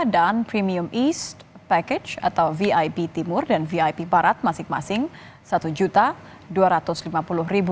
dan premium east package atau vip timur dan vip barat masing masing rp satu dua ratus lima puluh